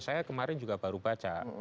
saya kemarin juga baru baca